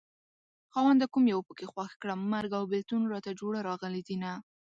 خاونده کوم يو پکې خوښ کړم مرګ او بېلتون راته جوړه راغلي دينه